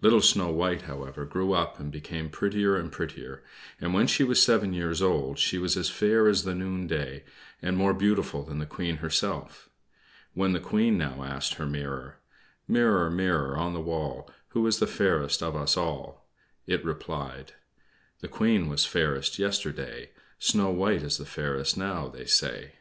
Little Snow White, however, grew up, and became prettier and prettier, and when she was seven years old she was as fair as the noonday, and more beautiful than the Queen herself. When the Queen now asked her mirror: "Mirror, mirror on the wall, Who is the fairest of us all?" it replied: "The Queen was fairest yesterday; Snow White is the fairest, now, they say."